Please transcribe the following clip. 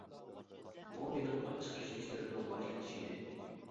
بۇ مېنىڭ ئاچچىق كەچمىشلىرىمنىڭ باشلىنىشى ئىدى.